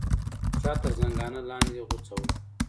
پښه تر زنګانه لاندې غوڅه وه.